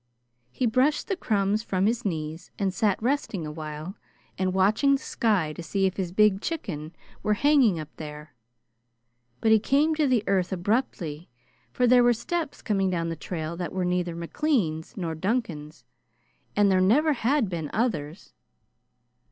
He brushed the crumbs from his knees and sat resting awhile and watching the sky to see if his big chicken were hanging up there. But he came to the earth abruptly, for there were steps coming down the trail that were neither McLean's nor Duncan's and there never had been others.